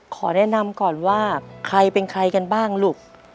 ขอแนะนำก่อนว่าใครเป็นใครกันบ้างลูก